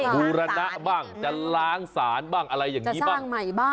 บูรณะบ้างจะล้างสารบ้างอะไรอย่างนี้บ้าง